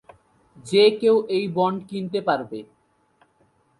যে কেউ এই বন্ড কিনতে পারবে।